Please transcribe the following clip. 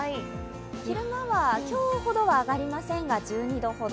昼間は今日ほどは上がりませんが、１２度ほど。